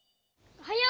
おはよう！